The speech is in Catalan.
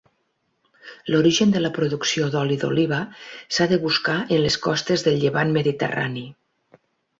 L'origen de la producció d'oli d'oliva s'ha de buscar en les costes del llevant mediterrani.